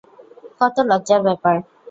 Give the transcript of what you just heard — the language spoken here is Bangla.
কত লজ্জার ব্যাপার!